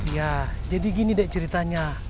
ya jadi gini dek ceritanya